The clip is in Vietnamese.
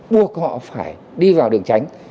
buộc họ phải đi vào đường tránh